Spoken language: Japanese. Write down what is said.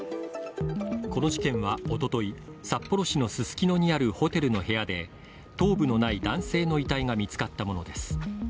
この事件はおととい、札幌市のススキノにあるホテルの部屋で頭部のない男性の遺体が見つかったものです。